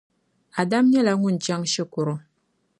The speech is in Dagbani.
Adam nyɛla ŋun chaŋ shikuru.